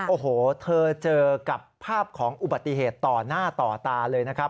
โอ้โหเธอเจอกับภาพของอุบัติเหตุต่อหน้าต่อตาเลยนะครับ